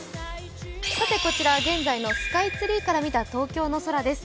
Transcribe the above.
こちらは現在のスカイツリーから見た東京の空です。